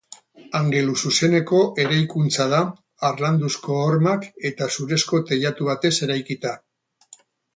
Angeluzuzeneko eraikuntza da, harlanduzko hormak eta zurezko teilatu batez eraikita.